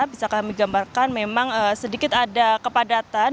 bisa kami gambarkan memang sedikit ada kepadatan